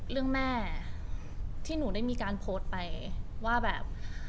เรื่องแม่ที่หนูได้มีการโพสต์ไปว่าแบบ